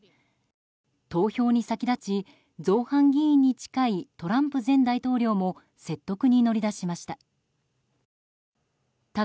投票に先立ち造反議員に近いトランプ前大統領も説得に乗り出しました。